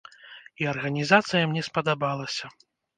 І арганізацыя мне спадабалася.